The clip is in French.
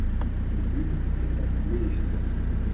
Au début, le tablier est vide.